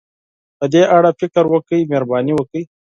په دې اړه فکر وکړئ، مهرباني وکړئ.